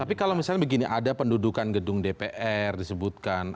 tapi kalau misalnya begini ada pendudukan gedung dpr disebutkan